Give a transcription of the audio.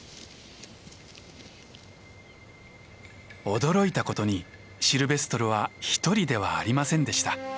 驚いたことにシルベストルは独りではありませんでした。